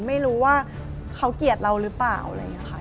ไม่รู้ว่าเขาเกลียดเราหรือเปล่า